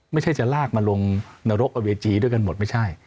ไม่ใช่จะลากมาลงนรกกับเวทีด้วยกันหมดไม่ใช่